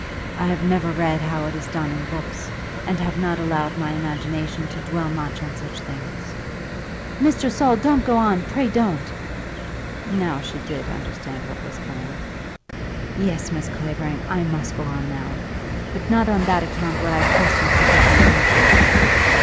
"I have never read how it is done in books, and have not allowed my imagination to dwell much on such things." "Mr. Saul, don't go on; pray don't." Now she did understand what was coming. "Yes, Miss Clavering, I must go on now; but not on that account would I press you to give me an answer to day.